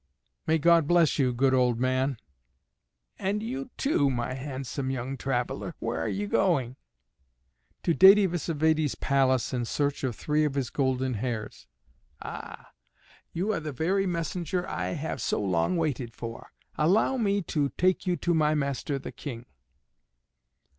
"May God bless you, good old man." "And you, too, my handsome young traveler. Where are you going?" "To Dède Vsévède's palace in search of three of his golden hairs." "Ah, you are the very messenger I have so long waited for. Allow me to take you to my master the King."